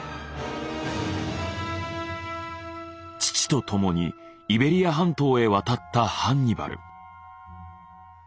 父と共にイベリア半島へ渡ったハンニバル。